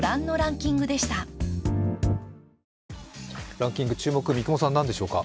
ランキング、注目三雲さん、なんでしょうか。